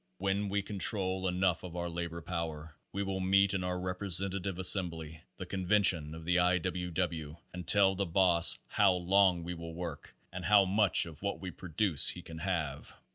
When we control enough of our labor power we will meet in our j representative assembly the Convention of the I. W. | W. and tell the boss how long we will work and how f (much of what we produce he can have.